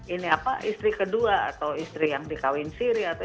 ini apa istri kedua atau istri yang dikawin sirih